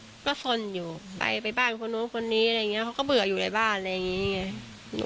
แล้วก็สนอยู่ไปบ้านพังโค้งกันแล้วก็เบื่ออยู่ในห้องบ้าน